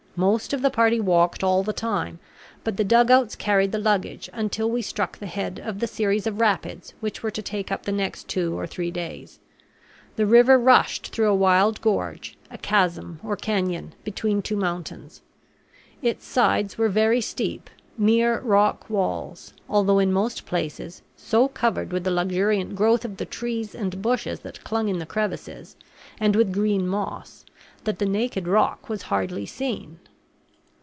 Most of the party walked all the time; but the dugouts carried the luggage until we struck the head of the series of rapids which were to take up the next two or three days. The river rushed through a wild gorge, a chasm or canyon, between two mountains. Its sides were very steep, mere rock walls, although in most places so covered with the luxuriant growth of the trees and bushes that clung in the crevices, and with green moss, that the naked rock was hardly seen.